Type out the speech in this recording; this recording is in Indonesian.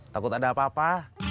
takut ada apa apa